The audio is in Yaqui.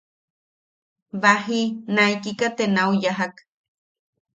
Baji, naikika te nau yajak.